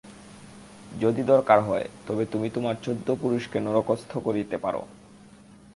যদি দরকার হয় তবে তুমি তোমার চোদ্দ পুরুষকে নরকস্থ করিতে পার।